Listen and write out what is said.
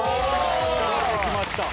決めてきました。